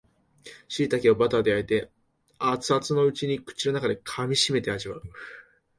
しいたけをバターで焼いて熱々のうちに口の中で噛みしめ味わう